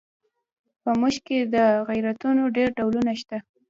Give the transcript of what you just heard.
په موږ کې د غیرتونو ډېر ډولونه شته.